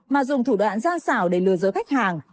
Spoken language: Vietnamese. mà dùng thủ đoạn gia xảo để lừa dối khách hàng